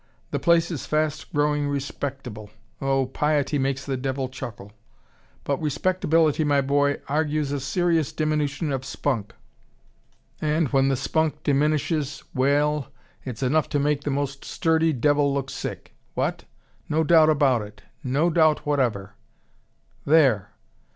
"The place is fast growing respectable Oh, piety makes the devil chuckle. But respectability, my boy, argues a serious diminution of spunk. And when the spunk diminishes we ell it's enough to make the most sturdy devil look sick. What? No doubt about it, no doubt whatever There